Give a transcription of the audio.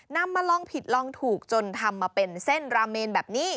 นำมาลองผิดลองถูกจนทำมาเป็นเส้นราเมนแบบนี้